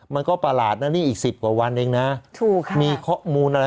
มันก็ประหลาดนะนี่อีกสิบกว่าวันเองนะถูกค่ะมีข้อมูลอะไร